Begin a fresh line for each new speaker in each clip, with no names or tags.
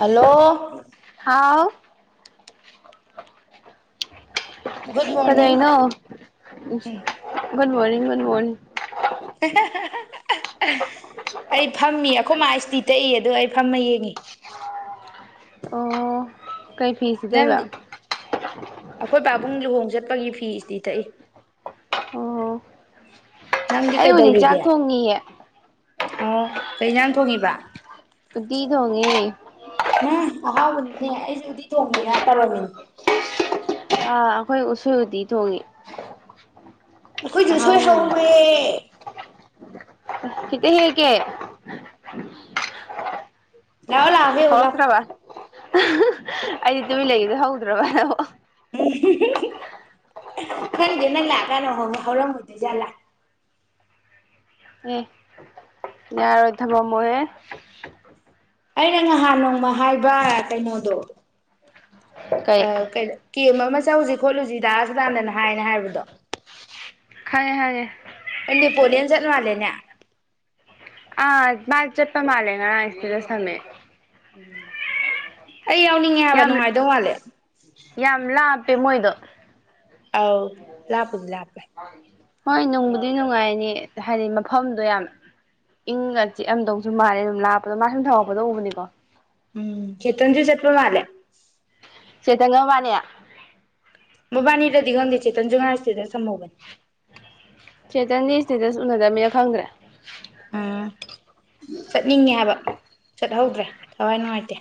Hello
wow
good morning
ꯀꯔꯩꯅꯣ ꯨ
ꯎꯝ
ꯃꯣꯔꯅꯤꯡꯒꯨ morning
ꯑꯩ ꯐꯝꯃꯤ ꯑꯩꯈꯣꯏ ꯃꯥꯁꯇꯤ ꯇꯛꯏ ꯑꯗ ꯑꯩ ꯐꯝꯃ ꯌꯦꯡꯉꯤ
ꯑꯣ ꯀꯩ ꯐꯤ ꯁꯨꯗꯣꯏꯕ
ꯅꯪꯗꯤ ꯑꯩꯈꯣꯏ ꯄꯥꯕꯨꯡ ꯂꯨꯍꯣꯡ ꯆꯠꯄꯒꯤ ꯐꯤꯁꯗꯤ ꯊꯛꯏ
ꯑꯣ ꯑꯩ ꯍꯧꯖꯤꯛ ꯆꯥꯛ ꯊꯣꯡꯉꯌꯦ
ꯑꯣ ꯀꯩ ꯌꯥꯝ ꯊꯣꯡꯉꯤꯕ
ꯗꯤꯗꯣꯡꯉꯦ
ꯃ ꯑꯍꯥꯎꯕꯅꯤꯅꯦ ꯑꯩꯁꯦ ꯎꯗꯤ ꯊꯣꯡꯉꯦꯅ ꯇꯧꯔꯃꯤꯅꯦ
ꯑꯥ ꯑꯩꯈꯣꯏ ꯎꯁꯨꯗꯤ ꯊꯣꯡꯉꯤ
ꯑꯩꯈꯣꯏꯁꯨ ꯁꯣꯏ
ꯑꯍꯥꯎꯕꯅꯦ
ꯍꯧꯔꯦ
ꯁꯤꯗ ꯍꯦꯀꯦ
ꯌꯥ ꯑꯣꯂ ꯍ ꯑꯣꯂ
ꯍꯧꯔꯛꯇ꯭ꯔꯕ ꯑꯩꯗꯤ ꯇꯨꯃꯤ ꯂꯩꯗ ꯍꯧꯗ꯭ꯔꯕ ꯅꯕꯣ
ꯈꯪꯗꯦ ꯅꯪ ꯂꯥꯛ ꯀꯅꯣ ꯍꯧꯔꯝꯒꯗꯣꯏ ꯖꯥꯠꯂꯥ
ꯑꯦ ꯌꯥꯔꯗ ꯃꯣꯃꯣꯏꯦ
ꯑꯩꯅ ꯉꯍꯥꯟ ꯅꯣꯡꯃ ꯍꯥꯏꯕ꯭ꯔ ꯀꯩꯅꯣꯗꯣ
ꯀꯩ
ꯑ ꯀ ꯀ ꯆꯠꯂꯨꯁꯤ ꯈꯣꯠꯂꯨꯁꯤꯗꯥꯥꯛꯁꯨꯗꯥꯗꯅ ꯍꯥꯏꯅ ꯍꯥꯏꯕꯗꯣ
ꯍꯥꯏꯌꯦꯦ ꯍꯥꯏꯌꯦꯦ
ꯄꯣꯂꯤꯌꯟ ꯆꯠ ꯃꯥꯂ ꯅ
ꯑ ꯃꯥꯜꯖꯄꯥ ꯃꯥꯂꯦꯅ ꯍꯥꯏꯁꯤꯗ ꯁꯃꯦ
ꯎꯝ ꯑꯩ ꯌꯥꯎꯅꯤꯡꯉꯦ ꯍꯥꯏꯕ
ꯌꯥꯝ
ꯅꯨꯡꯉꯥꯏꯗꯧ ꯃꯥꯜꯂꯦ
ꯇꯃꯣꯏꯗ
ꯑꯥꯎ ꯂꯥꯛꯄꯗ ꯂꯄꯦ
ꯍꯣꯏ ꯅꯨꯡꯕꯨꯗꯤ ꯅꯨꯡꯉꯥꯏꯅꯤ ꯍꯥꯏꯗꯤ ꯃꯐꯝꯗꯣ ꯌꯥꯝ ꯏꯪꯒ ꯆꯤꯛꯑꯝꯗꯧꯁꯨ ꯃꯥꯜꯂꯦ ꯑꯗꯨꯝ ꯂꯥꯞꯄꯗꯣ ꯃꯥ ꯁꯨꯝ ꯊꯧꯒꯛꯄꯗꯣ ꯎꯕꯅꯤꯀꯣ
ꯎꯝ ꯆꯦꯇꯟꯖ ꯆꯠꯄ ꯃꯥꯂꯦ
ꯆꯦꯇꯉ ꯐꯅꯦꯌꯥ
ꯃꯕꯥꯅꯤ ꯔꯗꯤꯒꯟꯗꯤꯦ ꯆꯦꯖ ꯉꯅꯥ ꯑꯁꯤꯁꯤ ꯁꯃꯣꯒꯅꯤ
ꯁꯦꯇꯅꯤ ꯏꯁꯇꯗꯁꯨ ꯎꯅꯗꯕꯃꯤꯅ ꯈꯪꯗ꯭ꯔꯦ
ꯎꯝ ꯆꯠꯅꯤꯡꯉꯦ ꯍꯥꯏꯕ ꯆꯠꯍꯧꯗ꯭ꯔꯦ ꯊꯋꯥꯏ ꯅꯨꯡꯉꯥꯏꯇꯦ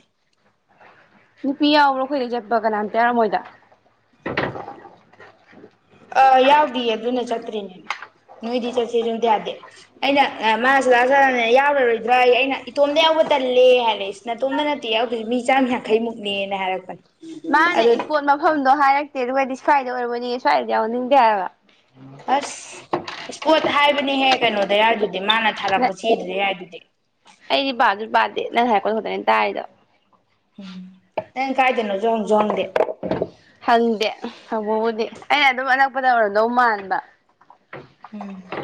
ꯅꯨꯄꯤ ꯌꯥꯎ꯭ꯔꯣ ꯑꯩꯈꯣꯏꯗ ꯆꯠꯄ ꯀꯅꯥꯝꯇ ꯌꯥꯔꯝꯃꯣꯏꯗ
ꯑ ꯌꯥꯎꯗꯦ ꯑꯗꯨꯅ ꯆꯠꯇ꯭ꯔꯤꯅꯦꯅ ꯅꯣꯏꯗꯤ ꯆꯠꯁ ꯁꯨꯝꯇ ꯌꯥꯗꯦ ꯑꯩꯅ ꯃꯥꯁꯨꯗꯅꯦ ꯌꯥꯎꯔꯔꯣꯏꯗ꯭ꯔꯥ ꯑꯩ ꯑꯩꯅ ꯏꯇꯣꯝꯗ ꯌꯥꯎꯕ ꯇꯜꯂꯦ ꯍꯥꯏꯔ ꯅꯅꯥꯇꯣꯝꯇ ꯅꯠꯇꯦ ꯌꯥꯎꯗꯣꯏꯁꯤꯦ ꯃꯤ ꯆꯥꯝ ꯌꯥꯡꯈꯩꯃꯨꯛꯅꯦꯅ ꯍꯥꯏꯔꯛꯄꯅꯦ
ꯃꯥꯅꯦ
ꯑꯗꯨ
ꯏꯁꯄꯣꯠ ꯃꯐꯝꯗꯣ ꯍꯥꯏꯔꯛꯦ ꯏ ꯑꯗꯨꯣꯏꯗꯤ ꯁ꯭ꯏꯗ ꯑꯣꯏꯔꯣꯅꯤꯅꯦ ꯁ꯭ꯋꯥꯏꯗ ꯌꯥꯎꯍꯅꯤꯡꯗꯦ ꯍꯥꯏꯕ
ꯑꯁ ꯄꯣꯠ ꯍꯥꯏꯕꯅꯤꯍꯦ ꯀꯩꯅꯣꯗ ꯌꯥꯔꯗꯨ ꯑꯗꯨꯗꯤ ꯃꯥꯅ
ꯅ
ꯊꯥꯔꯛꯄ ꯆꯗ꯭ꯔꯦ ꯍꯥꯏ ꯑꯗꯨꯗꯤ
ꯑꯩꯗꯤ ꯕꯥꯗꯨ ꯄꯥꯗꯦ ꯅꯪ ꯍꯥꯏꯔꯄꯣꯠ ꯈꯛꯇꯅꯦꯅ ꯇꯥꯔꯤꯗ
ꯎꯝ ꯅꯪ ꯀꯥꯏꯗꯅꯣꯁꯨ ꯍꯪꯁꯨ ꯍꯪꯗꯦ
ꯍꯪꯗꯦ ꯍꯪꯕꯕꯨꯗꯤ ꯑꯩꯅ ꯑꯗꯨꯝ ꯑꯅꯛꯄꯗ ꯑꯣꯏꯔꯗꯧ ꯃꯥꯟꯕ
ꯎꯝ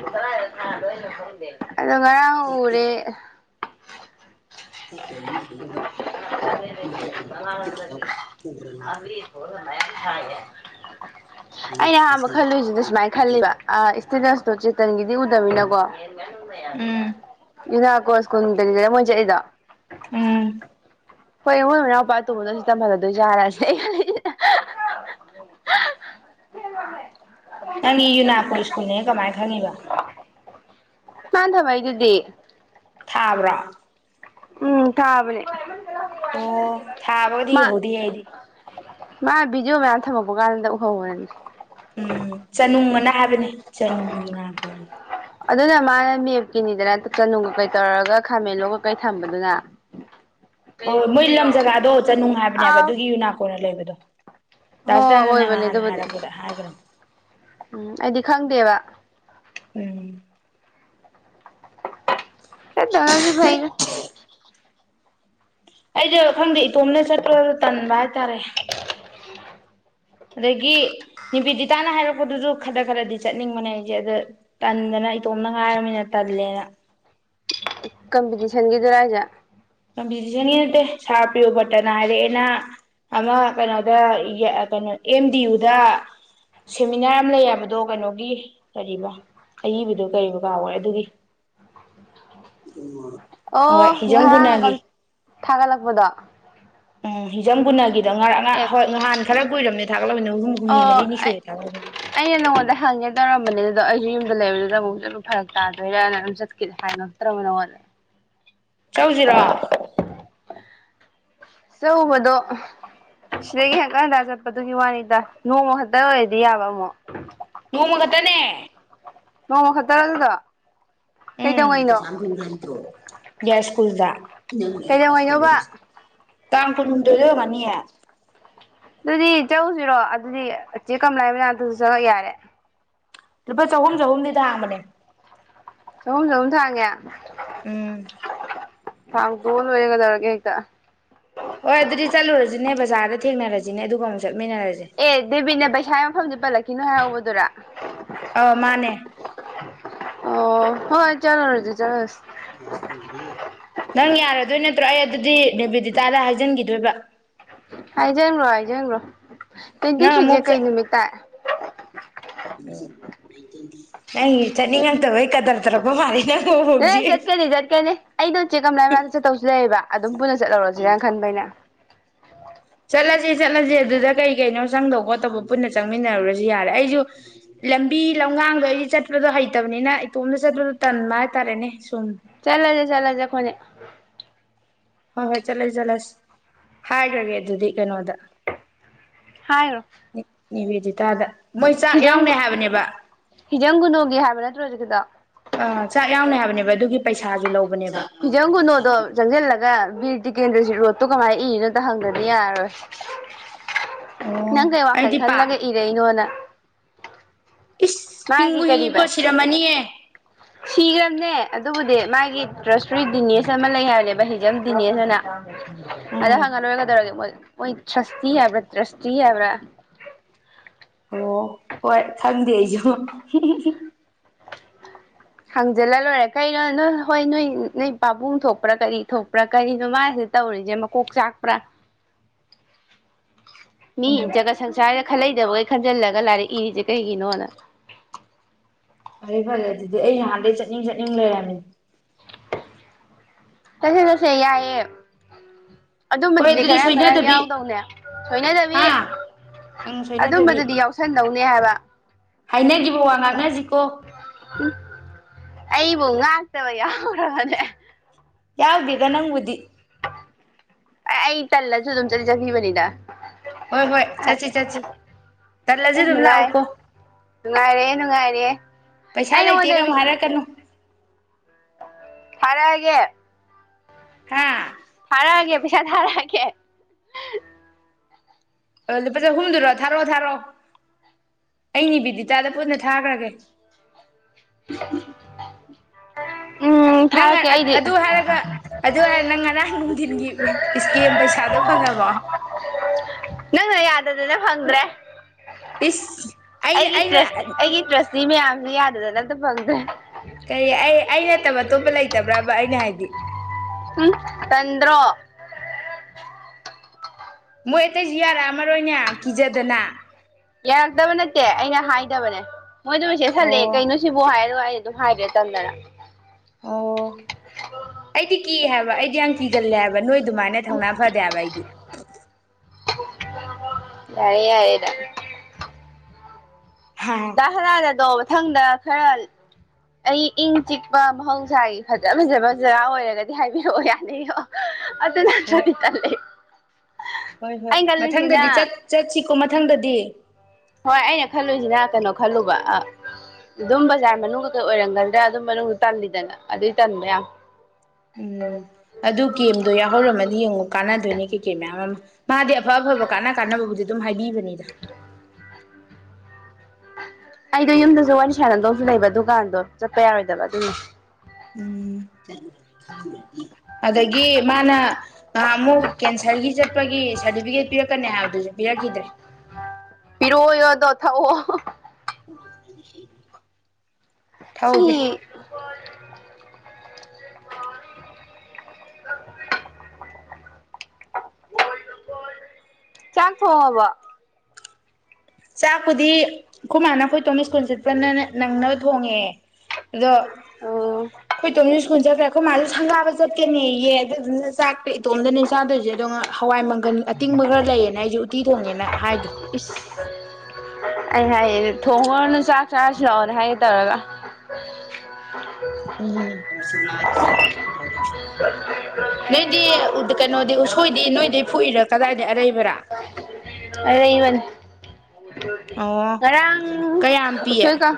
ꯑꯗꯨꯅ ꯐꯗꯦꯅ ꯑꯗꯣ ꯉꯔꯥꯡ ꯎꯔꯦ
ꯆꯠꯃꯤꯂ
ꯑꯕꯤ ꯍꯔꯅ ꯍꯥꯏ ꯌꯥ ꯑꯩꯅ ꯑꯍꯥꯟꯕ ꯈꯜꯂꯨꯏꯁꯤꯗ ꯁꯨꯃꯥꯏꯅ ꯈꯜꯂꯤꯕ ꯁꯤꯗꯁꯇꯣ ꯆꯦꯇꯟꯒꯤꯗꯤ ꯎꯗꯃꯤꯅꯤꯅꯀꯣ
ꯎꯝ
ꯏꯗ ꯀꯣꯁꯀ ꯃꯖꯥ ꯏꯗ
ꯎꯝ
ꯍꯣꯏ ꯏꯃꯣꯏ ꯃꯅꯥꯎꯄꯥ ꯇꯨꯕꯗꯁꯨ ꯇꯍꯂꯣꯏ ꯌꯥꯔꯑꯁꯤ ꯒ
ꯅꯪꯒꯤ ꯌꯨꯅꯥꯀꯣ ꯁ꯭ꯀꯨꯜꯅꯦ ꯀꯃꯥꯏꯅ ꯈꯪꯉꯤꯕ
ꯃꯥꯟ ꯊꯕ ꯍꯥꯏꯗꯨꯗꯤ
ꯊꯥꯕ꯭ꯔꯣ
ꯎꯝ ꯀꯥꯕꯂꯤꯦ
ꯑꯣ ꯊꯥꯕꯕꯨꯗꯤꯍꯧꯗꯤ ꯍꯥꯏꯗꯤ
ꯃꯥ ꯕꯤꯖꯨ ꯃꯌꯥꯝ ꯊꯝꯃꯛꯄ ꯀꯥꯟꯗ ꯎꯍꯧꯅꯤ
ꯎꯝ ꯆꯅꯨꯡ ꯑꯅ ꯍꯥꯏꯕꯅꯤ ꯆꯅꯨꯡ ꯌꯨꯅꯥꯒꯣꯜ
ꯀꯤꯅꯤꯗꯅ ꯆꯅꯨ ꯀꯀꯩ ꯇꯧꯔꯒ ꯈꯥꯃꯦꯟꯂꯣ ꯀꯀꯩ ꯊꯝꯕꯗꯨꯅ
ꯍꯣꯏ ꯍꯣꯏ ꯃꯣꯏ ꯂꯝ ꯖꯒꯥꯗꯣ ꯆꯠꯅꯅꯨꯡ ꯍꯥꯏꯕꯅꯦꯕ
ꯑꯥꯎ
ꯑꯗꯨꯒꯤ ꯌꯨꯅꯥꯀꯣꯟꯅ ꯂꯩꯕꯗꯣ
ꯍꯣꯏ
ꯇꯁ ꯇꯥꯅ ꯅ
ꯑꯣꯏꯕꯅꯦ
ꯍꯥꯟꯅ
ꯑꯗꯨꯕꯨꯗꯤ
ꯍꯥꯏꯔꯛꯄꯗ ꯍꯥꯏꯈ꯭ꯔ
ꯎꯝ ꯑꯩꯗꯤ ꯈꯪꯗꯦꯕ
ꯎꯝ
ꯑ ꯇꯉꯁꯨ ꯐꯥꯏꯅ
ꯑꯩꯗꯣ ꯈꯪꯗꯦ ꯏꯇꯣꯝꯅ ꯆꯠꯄꯨꯔ ꯇꯟꯕ ꯍꯥꯏꯇꯥꯔꯦ ꯑꯗꯒꯤ ꯅꯤꯕꯤꯗꯤꯇꯥꯅ ꯍꯥꯏꯔꯛꯄꯗꯨꯁꯨ ꯈꯔ ꯈꯔꯗꯤ ꯆꯠꯅꯤꯡꯕꯅꯦ ꯑꯩꯁꯦ ꯑꯗ ꯇꯟꯗꯅ ꯏꯇꯣꯝꯅ ꯍꯥꯏꯔꯕꯃꯤꯅ ꯇꯜꯂꯦꯅ
ꯀꯝꯄꯤꯇꯤꯁꯟꯒꯤꯗꯨ ꯍꯥꯏꯖꯦ
ꯀꯝꯄꯤꯇꯤꯁꯟꯒꯤ ꯅꯠꯇꯦ ꯁꯥꯔ ꯄ꯭ꯔꯤꯌꯣꯕꯇꯅ ꯍꯥꯏꯔꯛꯑꯦꯅ ꯑꯃ ꯀꯩꯅꯣꯗ ꯀꯩꯅꯣ ꯑꯦꯝ ꯗꯤ ꯌꯨꯗ ꯁꯦꯃꯤꯅꯥꯔ ꯑꯃ ꯂꯩꯕꯗꯣ ꯀꯩꯅꯣꯒꯤ ꯀꯔꯤꯕ ꯑꯏꯕꯗꯣ ꯀꯔꯤꯕ ꯀꯥꯎꯈꯔꯦ ꯑꯗꯨꯒꯤ
ꯑꯣ
ꯍꯣꯏ ꯍꯤꯖꯝ
ꯉꯍꯥ
ꯒꯨꯅꯥꯒꯤ
ꯊꯥꯒꯠꯂꯛꯄꯗꯣ
ꯎꯝ ꯍꯖꯝꯒꯨꯅꯒ ꯑꯗꯣ ꯉꯔꯥꯡ
ꯑꯦ
ꯍꯣꯏ ꯅꯍꯥꯟ ꯈꯔ ꯀꯨꯏꯔꯕꯅꯦ ꯊꯥꯒꯠꯂꯃꯤꯅꯤꯅ ꯍꯨꯝ ꯍꯨꯝꯅꯤ
ꯑꯣ
ꯃꯔꯤꯅꯤ ꯁꯨꯔꯦ ꯊꯥꯒꯠꯂꯃꯤꯅꯤ
ꯆꯠꯅꯔꯝꯕꯅꯦ ꯑꯗꯨꯗꯣ ꯑꯩꯁꯨ ꯌꯨꯝꯗ ꯂꯩꯕꯗꯨꯗ ꯑꯃꯨꯛꯁꯨ ꯑꯗꯨꯝ ꯐꯔꯛ ꯇꯥꯗꯣꯏꯔꯥꯅ ꯑꯗꯨꯝ ꯆꯠꯀ ꯍꯥꯏꯕꯛꯇ꯭ꯔꯕꯅ ꯍꯣꯠꯂꯦ
ꯆꯧꯁꯤꯔꯣ
ꯑꯆꯧꯕꯗꯣ ꯁꯤꯗꯒꯤ ꯍꯪꯀꯟꯗ ꯆꯠꯄꯗꯨꯒꯤ ꯋꯥꯅꯤꯗ ꯅꯣꯡꯃ ꯈꯛꯇ ꯑꯣꯏꯔꯗꯤ ꯌꯥꯕ ꯑꯃꯨꯛ
ꯅꯣꯡꯃꯒꯗꯅꯦ
ꯅꯣꯡꯃ ꯈꯛꯇ ꯑꯗꯨꯗ
ꯎꯝꯣꯀꯨ
ꯀꯩꯗꯧꯉꯩꯅꯣꯕ
ꯀꯥꯡ ꯀꯔꯗꯗ ꯃꯅꯤꯌꯦꯦ
ꯑꯗꯨꯗꯤ ꯆꯎꯨꯁꯤꯔꯣ ꯑꯗꯨꯗꯤ ꯆꯦ ꯀꯝ ꯂꯩꯥꯏꯕꯅ ꯑꯗꯨꯁꯨ ꯆꯪꯉ ꯌꯥꯔꯦ
ꯂꯨꯄꯥ ꯆꯍꯨꯝ ꯆꯍꯨꯝꯗꯤ ꯊꯥꯡꯕꯅꯦ
ꯑꯍꯨꯝ ꯁꯍꯨꯝ ꯊꯥꯡꯉꯦ
ꯎꯝ
ꯊꯥꯡ ꯇꯣꯅ ꯑꯣꯏꯒꯗꯔꯒꯦ ꯍꯦꯛꯇ
ꯍꯣꯏ ꯑꯗꯨꯗꯤ ꯆꯠꯂꯨꯔꯁꯤꯅꯦ ꯕꯖꯥꯔꯗ ꯊꯦꯡꯅꯔꯁꯤꯅꯦ ꯑꯗꯨꯒ ꯑꯃꯨꯛ ꯆꯠꯂ
ꯑꯦ ꯗꯦꯕꯤꯅꯦꯕꯩ ꯍꯥꯏ ꯃꯐꯝꯗꯤ ꯄꯜꯂꯛꯈꯤꯅꯣ ꯍꯥꯏꯔꯧꯕꯗꯨꯔꯥ
ꯑ ꯃꯥꯅꯦ
ꯑꯣ ꯍꯣꯏ ꯆꯂꯣ ꯔꯖꯨ ꯆꯂꯣꯁ
ꯅꯪ ꯌꯥꯔꯗꯣꯏ ꯅꯠꯇ꯭ꯔꯣ ꯑꯩ ꯑꯗꯨꯗꯤ ꯅꯦꯕꯤꯦꯗꯤꯇꯥꯗ ꯍꯥꯏꯖꯤꯟꯈꯤꯗꯣꯏꯕ
ꯍꯥꯏꯖ꯭ꯔꯣ ꯍꯥꯏꯖ꯭ꯔꯣ ꯇ꯭ꯋꯦꯟꯇꯤ
ꯅꯪ
ꯊ꯭ꯔꯤꯁꯦ
ꯑꯃꯨꯛ
ꯀꯩ
ꯆꯠ
ꯅꯨꯃꯤꯠꯇ
ꯅꯪ ꯆꯅꯤꯒ ꯇꯕꯣꯏ ꯀꯗ꯭ꯔ ꯇꯔꯄ ꯃꯥꯅ
ꯅ ꯆꯠꯀꯅꯤ ꯆꯠꯀꯅꯤ ꯑꯩꯗꯣ ꯎꯆꯦꯛ ꯀꯝꯗꯥꯏ ꯃꯗ ꯆꯠꯇꯧꯁꯨ ꯂꯩꯕ ꯑꯗꯨꯝ ꯄꯨꯟꯅ ꯆꯠꯍꯧꯔꯁꯤꯔꯅ ꯈꯟꯕꯩꯩꯅ
ꯆꯠꯂꯁꯦ ꯆꯠꯂꯁꯦ ꯑꯗꯨꯗ ꯀꯩ ꯀꯩꯅꯣ ꯆꯪꯗꯕ ꯈꯣꯠꯇꯧꯕ ꯄꯨꯟꯅ ꯆꯪꯃꯤꯟꯅꯔꯨꯔꯁꯨ ꯌꯥꯔꯦ ꯑꯩꯁꯨ ꯂꯝꯕꯤ ꯂꯝꯒꯥꯡꯗꯣ ꯑꯩꯗꯤ ꯆꯠꯄꯗꯣ ꯍꯩꯇꯕꯅꯤꯅ ꯏꯇꯣꯝꯗ ꯆꯠꯄꯗꯣ ꯇꯟꯕ ꯍꯥꯏꯇꯥꯔꯦꯅꯦ ꯁꯨꯝ
ꯆꯂꯖꯦ ꯆꯂꯖꯦ ꯈꯨꯅꯦ
ꯍꯣꯏ ꯍꯣꯏ ꯆꯠꯂꯁꯤ ꯆꯠꯂꯁ ꯍꯥꯏꯈ꯭ꯔꯒꯦ ꯑꯗꯨꯗꯤ ꯀꯩꯅꯣꯗ
ꯍꯥꯏꯔꯣ
ꯕꯦꯗꯤꯇꯥꯗ ꯃꯣꯏ ꯆꯥꯛ ꯌꯥꯎꯅ ꯍꯥꯏꯕꯅꯦꯕ
ꯍꯤꯖꯝꯒꯨꯅꯣꯒꯤ ꯍꯥꯏꯕ ꯅꯠꯇ꯭ꯔꯣ ꯍꯧꯖꯤꯛꯗ
ꯑꯥ ꯆꯥꯛ ꯌꯥꯝꯎꯅ ꯍꯥꯏꯕꯅꯦꯕ ꯑꯗꯨꯒꯤ ꯄꯩꯁꯥꯁꯨ ꯂꯧꯕ
ꯐꯤꯖꯪꯒꯨꯅꯣꯗꯣ ꯪꯁꯤꯜꯂꯒ ꯕꯤꯔ ꯇꯖꯤꯀꯦꯟꯗ꯭ꯔꯁꯤ ꯔꯣꯠꯇꯣ ꯀꯃꯥꯏꯅ ꯏꯅꯣꯗ ꯍꯪꯒꯗꯤ ꯌꯥꯔꯣꯏ ꯅꯪ
ꯑꯣ
ꯀꯩ ꯋꯥꯈꯜ
ꯑꯩꯗꯤ ꯄꯥꯛ
ꯈꯜꯂꯒ ꯏꯔꯛꯏꯅꯣꯅ
ꯏꯁ
ꯃꯥꯒꯤ
ꯍꯤꯡꯕꯨ ꯍꯤꯡꯉꯤꯀꯣ
ꯀꯔꯤꯕ
ꯁꯤꯔꯝꯃꯅꯤꯍ
ꯁꯤꯈ꯭ꯔꯕꯅꯦ ꯑꯗꯨꯕꯨꯗꯤ ꯃꯥꯒꯤ ꯇ꯭ꯔꯁꯇ꯭ꯔꯤ ꯗꯤꯅꯦꯁ ꯑꯃ ꯂꯩ ꯍꯥꯏꯕꯅꯦꯕ ꯍꯤꯖꯝ ꯗꯤꯅꯦꯁ ꯍꯥꯏꯅ ꯑꯗ
ꯎꯝ
ꯍꯪꯉ ꯂꯣꯏꯔꯒꯗꯧꯔꯗꯤ ꯃꯣꯏ ꯑꯣꯏꯣꯏ ꯁꯁꯇꯤ ꯍꯥꯏꯕ꯭ꯔꯥ ꯇ꯭ꯔꯁꯇꯤ ꯍꯥꯏꯕ꯭ꯔꯥ
ꯑꯣ ꯍꯣꯏ ꯊꯪꯗꯦ ꯑꯩꯁꯨ
ꯍꯪꯖꯤꯜꯂ ꯂꯣꯏꯔꯦ ꯀꯩꯅꯣ ꯅꯣꯏ ꯍꯣꯏ ꯅꯣꯏ ꯅꯣꯏ ꯄꯥꯕꯨꯡ ꯊꯣꯛꯄ꯭ꯔꯥ ꯀꯔꯤ ꯊꯣꯛꯄ꯭ꯔꯥ ꯀꯔꯤꯅꯣ ꯃꯥꯁꯤ ꯇꯧꯔꯤꯁꯦ ꯃꯀꯣꯛ ꯆꯥꯛꯄ꯭ꯔꯥ ꯃꯤ
ꯎꯝ
ꯖꯒꯥ ꯁꯪꯁ ꯍꯥꯏ ꯈꯜꯂꯩꯗꯕꯈꯩ ꯈꯟꯖꯤꯜꯂꯒ ꯂꯥꯏꯔꯤꯛ ꯏꯔꯤꯁꯦ ꯀꯩꯒꯤꯅꯣꯅ
ꯐꯔꯦ ꯐꯔꯦ ꯑꯗꯨꯗꯤ ꯑꯩ ꯅꯍꯥꯟꯗꯒꯤꯩ ꯆꯠꯅꯤꯡ ꯆꯠꯅꯤꯡ ꯂꯩꯔꯝꯃꯦ
ꯇꯁꯦ ꯇꯁꯦ ꯌꯥꯑ
ꯍꯣꯏ
ꯑꯗꯨꯝꯕꯗꯨꯗꯤ
ꯑꯗꯨꯗꯤ
ꯈꯔ ꯈꯔ
ꯁꯣꯏꯅꯗꯕꯤ
ꯌꯥꯎꯗꯧꯅꯦ ꯁꯣꯏꯅꯗꯕꯤ
ꯍꯥ ꯎꯝ ꯁꯣꯏꯅꯗꯕꯤ
ꯑꯗꯨꯝꯕꯗꯨꯗꯤ ꯌꯥꯎꯁꯟꯗꯧꯅꯦ ꯍꯥꯏꯕ
ꯍꯥꯏꯅꯈꯤꯕ ꯋꯥ ꯉꯥꯛꯅꯁꯤꯀꯣ
ꯎ ꯑꯩꯕꯨ ꯉꯥꯛꯇꯕ ꯌꯥꯎꯔꯕꯅꯦ
ꯌꯥꯎꯗꯒ ꯅꯪ ꯎꯗꯤ
ꯑꯦ ꯑꯩ ꯇꯜꯂꯁꯨ ꯑꯗꯨꯝ ꯆꯠꯂꯤ ꯆꯈꯤꯕꯅꯤꯗ
ꯍꯣꯏ ꯍꯣꯏ ꯆꯠꯁꯤ ꯆꯠꯁꯤ ꯇꯠꯂꯁꯨ ꯑꯗꯨꯝ
ꯅꯨꯡꯉꯥꯏ
ꯂꯥꯛꯎꯀꯣ
ꯅꯨꯡꯉꯥꯏꯔꯦ ꯅꯨꯡꯉꯥꯏꯔꯦ ꯑꯩ
ꯄꯩꯁꯥ
ꯅꯉꯣꯟꯗ
ꯂꯩꯇꯦꯒ ꯑꯃꯨꯛ ꯍꯥꯏꯔꯛꯀꯅꯨ
ꯐꯔꯦ ꯍꯥꯏꯒꯦ
ꯍꯥ
ꯃꯤꯁꯥ ꯊꯥꯒꯦ
ꯂꯨꯄꯥ ꯆꯍꯨꯝꯗꯨꯔꯣ ꯊꯥꯔꯛꯑꯣ ꯊꯥꯔꯛꯑꯣ ꯑꯩꯅꯤ ꯕꯤꯗꯤꯇꯥꯗ ꯄꯨꯟꯅ ꯊꯥꯈ꯭ꯔꯒꯦ
ꯑ
ꯅꯪ ꯑꯗꯨ ꯍꯥꯏꯔꯒ ꯑꯗꯨ ꯍꯥꯏꯔ ꯅꯪ ꯉꯔꯥꯡ ꯅꯨꯡꯊꯤꯟꯒꯤ ꯏꯁꯀꯦꯝ ꯄꯩꯁꯥꯗꯣ ꯐꯪꯉꯕꯣ
ꯑꯗꯨ ꯐꯪꯗ꯭ꯔꯦ
ꯏꯁ ꯑꯩꯅ
ꯑꯩꯒꯤꯁ
ꯑꯩꯅ
ꯑꯩꯒꯤ ꯄ꯭ꯔꯁꯤꯃꯦꯌꯥꯝ ꯌꯥꯗ ꯂꯗ ꯐꯪꯗꯦ
ꯀꯩ ꯑꯩ ꯑꯩ ꯅꯠꯇꯕ ꯑꯇꯣꯞꯄ ꯂꯩꯇꯕ꯭ꯔꯕ ꯑꯩꯅ ꯍꯥꯏꯗꯤ
ꯎꯝ ꯇꯗ꯭ꯔꯣ
ꯃꯣꯏ ꯔ ꯑꯃꯔ ꯑꯣꯏꯅꯦꯁꯦ
ꯌꯥꯔꯛꯇꯕ ꯅꯠꯇꯦ ꯑꯩꯅ ꯍ ꯍꯥꯏꯗꯕꯥꯗꯦ ꯃꯣꯏꯗꯨꯝ
ꯑꯣ
ꯁꯦꯠꯜꯂꯛꯑꯦꯩꯅꯣꯕꯨ ꯍꯥꯏꯔꯦ ꯑ ꯑꯩ ꯑꯗꯨꯝ ꯍꯥꯏꯕꯤꯦ ꯇꯝꯗꯅ
ꯑꯧ꯫ ꯑꯩꯗꯤ ꯀꯤ ꯍꯥꯏꯕ ꯑꯩꯗꯤ ꯌꯥꯝ ꯀꯤꯒꯜꯂꯦ ꯍꯥꯏꯕ ꯅꯣꯏꯗꯨꯃꯥꯏꯅ ꯊꯧꯅꯥ ꯐꯗꯦ ꯍꯥꯏꯕ ꯑꯩꯗꯤ꯫
ꯌꯥꯔꯦ ꯌꯥꯔꯦꯗ ꯗꯥ
ꯍꯣꯏ
ꯁꯅꯥꯗ ꯇꯧꯌꯦ ꯃꯊꯪꯗ ꯈꯔ ꯑꯩ ꯏꯪ ꯆꯤꯛꯄ ꯃꯍꯧꯁꯥꯒꯤ ꯐꯖ ꯐꯖꯕ ꯖꯒꯥ ꯑꯣꯏꯔꯒꯗꯤ ꯍꯥꯏꯕꯤꯔꯛꯑꯣ ꯌꯥꯅꯦꯌꯣ꯫ ꯑꯗꯨ ꯅꯠꯇ꯭ꯔꯗꯤ ꯇꯜꯂꯦ ꯑꯩ꯫
ꯍꯣꯏ ꯍꯣꯏ ꯃꯊꯪꯗꯗꯤ ꯆꯠ ꯆꯠꯁꯤꯀꯣ ꯃꯊꯪꯗꯗꯤ꯫
ꯍꯣꯏ ꯑꯩꯅ ꯈꯜꯂꯨꯏꯁꯤꯅ ꯀꯩꯅꯣ ꯈꯜꯂꯨꯕ ꯑꯥ ꯑꯗꯨꯝ ꯕꯖꯥꯔ ꯃꯅꯨꯡꯗꯨꯗ ꯑꯣꯏꯔꯝꯒꯗ꯭ꯔꯥ ꯑꯗꯨꯝ ꯃꯅꯨꯡꯗꯗꯨ ꯇꯜꯂꯤꯗꯅ ꯑꯗꯨꯏ ꯇꯟꯕ ꯌꯥꯝ꯫
ꯎꯝ ꯑꯗꯨ ꯀꯦꯝꯗꯣ ꯌꯥꯎꯍꯧꯔꯝꯃꯗꯤ ꯌꯦꯡꯉꯨ ꯀꯥꯟꯅꯗꯣꯏꯅꯦ ꯀꯩꯀꯩ ꯃꯌꯥꯝ ꯑꯃ꯫ ꯃꯥꯗꯤ ꯑꯐ ꯑꯐꯕ ꯀꯥꯟꯅ ꯀꯥꯟꯅꯕꯕꯨꯗꯤ ꯑꯗꯨꯝ ꯍꯥꯏꯕꯤꯕꯅꯤ꯫ ꯅꯤꯗ꯫
ꯑꯩꯗꯣ ꯌꯨꯝꯗꯁꯨ ꯋꯥꯔꯤ ꯁꯥꯟꯅꯗꯧꯁꯨ ꯂꯩꯕ ꯗꯨꯀꯥꯟꯗꯣ ꯆꯠꯄ ꯌꯥꯔꯣꯏꯗꯕ ꯑꯗꯨꯅꯦ꯫
ꯎꯝ꯫ [unintelligible] ꯑꯗꯒꯤ ꯃꯥꯅ ꯅꯍꯥꯟꯃꯨꯛ ꯀꯦꯟꯁꯔꯒꯤ ꯆꯠꯄꯒꯤ ꯁꯔꯇꯤꯐꯤꯀꯦꯠ ꯄꯤꯔꯛꯀꯅꯤ ꯍꯥꯏꯕꯗꯨꯁꯨ ꯄꯤꯔꯛꯈꯤꯗ꯭ꯔꯦ꯫
ꯄꯤꯔꯛꯑꯣꯌꯣ ꯑꯗꯣ ꯊꯛꯑꯣ꯫
[unintelligible]
ꯁꯤ꯫
ꯊꯧꯒꯦ
ꯆꯥꯛ ꯊꯣꯡꯉꯕꯣ꯫
ꯆꯥꯛꯄꯨꯗꯤ꯫ ꯈꯣꯏ ꯃꯥꯅ ꯑꯩꯈꯣꯏ ꯇꯣꯝ ꯁ꯭ꯀꯨꯜ ꯆꯠꯄꯅꯅ ꯅꯪꯅꯕ ꯊꯣꯡꯉꯦ ꯑꯗꯣ
ꯑꯣ
ꯑꯩꯈꯣꯏ ꯇꯣꯝ ꯁ꯭ꯀꯨꯜ ꯆꯠꯈ꯭ꯔ ꯑꯈꯣꯏ ꯃꯥꯁꯨ ꯁꯪꯒꯥꯕ ꯆꯠꯀꯅꯤꯌꯦ ꯑꯗꯨꯗꯨꯅ ꯆꯥꯛꯇ ꯏꯇꯣꯝꯗꯅꯦ ꯆꯥꯗꯣꯏꯁꯦ ꯑꯗꯣ ꯉꯥ ꯍꯋꯥꯏꯃꯪ ꯒꯟ ꯑꯇꯤꯡꯕꯒ ꯂꯩꯌꯦꯅ ꯑꯩꯁꯨ ꯎꯠꯇꯤ ꯊꯣꯡꯉꯦꯅ ꯍꯥꯏꯗꯣ꯫
ꯏꯁ ꯑꯩ ꯍꯥꯏꯌꯦ ꯊꯣꯡꯉꯣꯔꯅꯨ ꯆꯥꯛ ꯆꯥꯔꯁꯤ ꯂꯥꯛꯑꯣꯅꯦ ꯍꯥꯏꯒꯦ ꯇꯧꯔꯒ꯫
ꯎꯝ [unintelligible] ꯅꯣꯏꯗꯤ꯫ ꯎꯗꯤ ꯀꯩꯅꯣꯗꯤ ꯎꯁꯣꯏꯗꯤ ꯅꯣꯏꯗꯩ ꯐꯨꯛꯏꯔ ꯀꯗꯥꯏꯗꯩꯩ ꯑꯔꯩꯕꯔ꯫
ꯑꯔꯩꯕꯅꯦ꯫
ꯑꯣ
ꯉꯔꯥꯡ
ꯀꯌꯥꯝ ꯄꯤꯌꯦ
ꯎꯁꯣꯏ ꯀꯥꯡ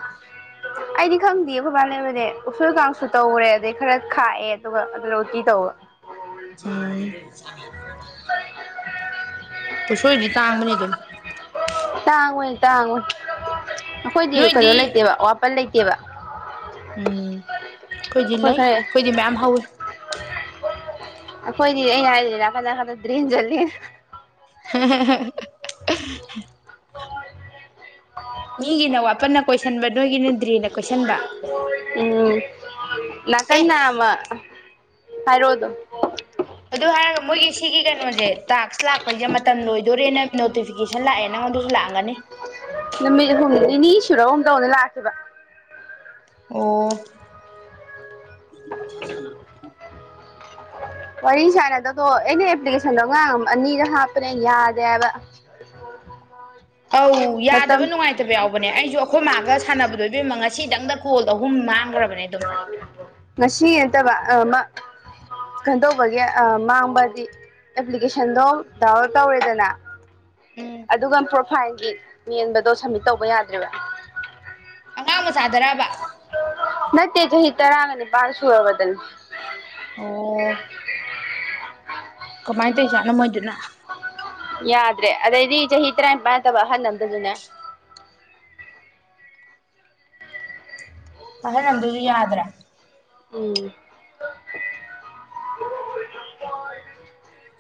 ꯑꯩꯗꯤ ꯈꯪꯗꯤꯌꯦ ꯈꯣꯏꯕꯥꯅ ꯂꯩꯕꯅꯦ ꯎꯁꯣꯏ ꯀꯥꯡꯁꯨ ꯇꯧꯔꯦ ꯑꯗꯩ ꯈꯔ ꯈꯥꯛꯑꯦ ꯑꯗꯨꯒ ꯑꯗꯨꯗ ꯎꯇꯤ ꯇꯧꯕ꯫
ꯆꯥ [unintelligible] ꯎꯁꯣꯏꯗꯤ ꯇꯥꯡꯕꯅꯤ ꯑꯗꯨꯝ꯫
ꯇꯥꯡꯕꯅꯦ ꯇꯥꯡꯕꯅꯦ꯫ ꯑꯩꯈꯣꯏꯗꯤ ꯀꯩꯅꯣ
ꯅꯣꯏꯗꯤ
ꯂꯩꯇꯦꯕ ꯋꯥꯄꯟ ꯂꯩ ꯏꯕ
ꯎꯝ ꯑꯩꯈꯣꯏꯗꯤ ꯂꯩ ꯑꯩꯈꯣꯏꯗꯤ ꯃꯌꯥꯝ ꯍꯧꯋꯤ
ꯈꯣꯏꯗꯤ ꯑꯩꯅ ꯍꯥꯏ ꯇꯗꯗꯔꯤꯟꯖ
[inaudible] ꯃꯤꯒꯤꯅ ꯋꯥꯄꯟꯅ ꯀꯣꯏꯁꯟꯕ ꯅꯣꯏꯒꯤꯅ ꯗ꯭ꯔꯤꯅ ꯀꯣꯏꯁꯟꯕ
ꯎꯝ
ꯑꯦ
ꯍꯥꯏꯔꯣꯗꯨ
ꯑꯗꯨ ꯍꯥꯏꯔꯒ ꯃꯣꯏꯒꯤ ꯁꯤꯒꯤ ꯀꯩꯅꯣꯁꯦ ꯇꯥꯛꯁ ꯂꯥꯛꯄꯩꯁꯦ ꯃꯇꯝ ꯂꯣꯏꯗꯣꯔꯦꯅ ꯅꯣꯇꯤꯐꯤꯀꯦꯁꯟ ꯂꯥꯛꯑꯦ ꯅꯪꯉꯣꯟꯗꯁꯨ ꯂꯥꯛꯑꯒꯅꯤ
ꯅꯨꯃꯤꯠ ꯍꯨꯝꯅꯤ ꯅꯤꯅꯤ ꯁꯨꯔ ꯑꯨꯝꯗꯧꯅ ꯂꯥꯛꯈꯤꯕ
ꯑꯣ [inaudible]
ꯋꯥꯔꯤ ꯁꯥꯏꯅꯗꯗꯣ ꯑꯦꯅꯤ ꯑꯦꯄ꯭ꯂꯤꯀꯦꯁꯟꯗꯣꯥꯡ ꯑꯅꯤꯗ ꯍꯥꯞꯄꯅꯦ ꯌꯥꯗꯦ ꯍꯥꯏꯕ
ꯑꯧ ꯌꯥꯗꯕ
ꯃꯇꯝ
ꯅꯨꯡꯉꯥꯏꯇꯕ ꯌꯥꯎꯕꯅꯦ ꯑꯩꯁꯨ ꯑꯩꯈꯣꯏ ꯃꯥꯒ ꯁꯥꯟꯅꯕꯗꯣ ꯏꯕꯝꯃ ꯉꯁꯤꯗꯪꯗ ꯀꯣꯜ ꯑꯍꯨꯝ ꯃꯥꯡꯈ꯭ꯔꯕꯅꯦ ꯑꯗꯨꯝ
ꯕ ꯑ ꯀꯩꯗꯧꯕꯒꯤ ꯃꯥꯡꯕꯗꯤ ꯑꯦꯄ꯭ꯂꯤꯀꯦꯁꯟꯗꯣ ꯗꯥꯎꯟꯂꯣꯗ ꯇꯧꯔꯦꯗꯅ
ꯎꯝ
ꯑꯗꯨꯒ ꯐꯥꯏꯟꯒꯤ ꯌꯦꯟꯕꯗꯣ ꯁꯝꯃꯤꯠ ꯇꯧꯕ ꯌꯥꯗ꯭ꯔꯦꯔꯤꯕ
ꯑꯉꯥꯡ ꯃꯆꯥꯗꯔꯕ
ꯅꯠꯇꯦ ꯆꯍꯤ ꯇꯔꯥꯒꯅꯤ ꯄꯥꯡ ꯁꯨꯔꯕꯗ
ꯑꯣ
ꯍ
ꯀꯃꯥꯏꯅ ꯇꯧꯔꯤꯖꯥꯠꯅꯣ ꯃꯣꯏꯗꯨꯅ
ꯌꯥꯗ꯭ꯔꯦ ꯑꯗꯩꯗꯤ ꯆꯍꯤ ꯇꯔꯥꯅꯤꯄꯥꯟꯠꯇꯕ ꯑꯍꯜ ꯑꯃꯗꯁꯨꯅꯦ
ꯑꯍꯜꯅꯟꯗꯨꯁꯨ ꯌꯥꯗ꯭ꯔꯦ
ꯎꯝ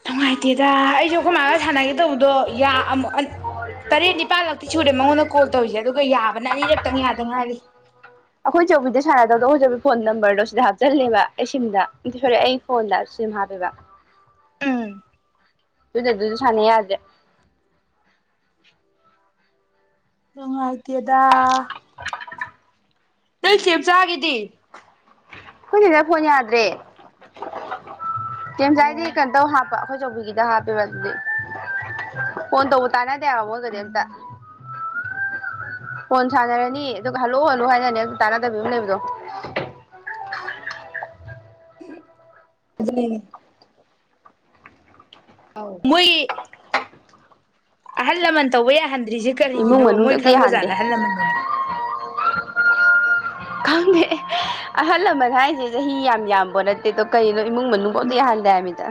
ꯅꯨꯡꯉꯥꯏꯇꯦꯗ ꯑꯩꯁꯨ ꯑꯩꯈꯣꯏ ꯃꯥꯒ ꯁꯥꯟꯅꯒꯦ ꯇꯧꯕꯗꯣ ꯇꯔꯦꯠ ꯅꯤꯄꯥꯜꯂꯛꯇꯤ ꯁꯨꯔꯦ ꯃꯉꯣꯟꯗ ꯀꯣꯜ ꯇꯧꯔꯤꯁꯦ ꯑꯗꯨꯒ ꯌꯥꯕꯅ ꯑꯅꯤꯔꯛꯇꯪ ꯌꯥꯗ ꯉꯥꯏꯔꯤ
ꯑꯩꯈꯣꯏ ꯆꯧꯕꯤꯗ ꯁꯥꯟꯅꯗꯕꯗꯣ ꯑꯩꯈꯣꯏ ꯆꯧꯕꯤ ꯐꯣꯟ ꯅꯝꯕꯔ ꯁꯤꯗ ꯍꯥꯞꯆꯜꯂꯦꯕ ꯑꯩ ꯁꯤꯝꯗ ꯁꯣ ꯑꯩ ꯐꯣꯟꯗ ꯁꯤꯝ ꯍꯥꯞꯄꯦꯕ
ꯑꯥ
ꯑꯗꯨꯗ ꯑꯗꯨꯁꯨ ꯁꯥꯟꯅꯩ ꯌꯥꯒꯦ
ꯍ ꯗꯦꯗꯥ ꯅꯪ ꯁꯦꯝꯆꯥꯥꯈꯤꯗꯤ
ꯍꯅꯤꯗ ꯐꯣꯟꯅꯤꯗ꯭ꯔꯦ ꯀꯦꯝꯖꯥꯏꯗꯤ
ꯑꯣ
ꯀꯩꯅꯣꯇꯧ ꯍꯥꯞꯄ ꯑꯩꯈꯣꯏ ꯆꯧꯕꯒꯤꯗ ꯍꯥꯄꯦ ꯃꯦ ꯍꯣꯟ ꯇꯧꯕ ꯇꯅ ꯑꯗꯨꯗ ꯍꯒꯗꯤ ꯑꯇ
ꯎꯝ
ꯐꯣꯟ ꯁꯥꯟꯅꯔꯅꯤ ꯑꯗꯨꯒ ꯍꯜꯂꯨ ꯍꯜꯂꯨ ꯍꯥꯏꯅꯅꯤ ꯑꯗꯨ ꯇꯥꯟꯅꯗꯕꯤ ꯑꯃ ꯂꯩꯕꯗꯣ
ꯑꯗꯨꯂꯤꯦ ꯃꯣꯏ ꯑꯍꯜ ꯂꯃꯟ ꯇꯧꯕ ꯌꯥꯍꯟ ꯗ꯭ꯔꯤꯁꯦ
ꯏꯃꯨꯡ
ꯀꯔꯤꯒꯤꯅꯣꯕ
ꯃꯅꯨꯡꯗ
ꯃꯣꯏ
ꯑꯝꯇ
ꯈꯪꯕ
ꯌꯥꯍꯟꯗꯦ
ꯖꯥꯔꯗ ꯍꯜ ꯂꯃꯟꯅꯤꯅ
ꯈꯪꯗꯦ ꯑꯍꯜ ꯂꯃꯟ ꯍꯥꯏꯁꯦ ꯆꯍꯤ ꯌꯥꯝ ꯌꯥꯝꯕꯣ ꯅꯠꯇꯦ ꯑꯗꯣ ꯀꯩꯅꯣ ꯏꯃꯨꯡ ꯃꯅꯨꯡꯐꯥꯎꯗꯤ ꯌꯥꯍꯟꯗ ꯍꯥꯏꯃꯤꯗ